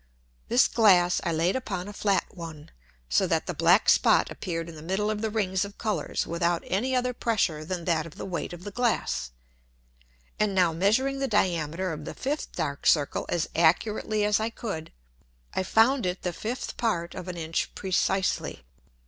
This Glass I laid upon a flat one, so that the black Spot appeared in the middle of the Rings of Colours without any other Pressure than that of the weight of the Glass. And now measuring the Diameter of the fifth dark Circle as accurately as I could, I found it the fifth part of an Inch precisely.